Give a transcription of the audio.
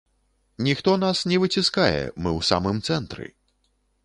Ніхто нас не выціскае, мы ў самым цэнтры.